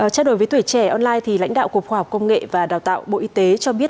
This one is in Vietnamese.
trao đổi với tuổi trẻ online lãnh đạo cục khoa học công nghệ và đào tạo bộ y tế cho biết